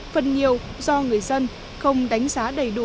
phần nhiều do người dân không đánh giá đầy đủ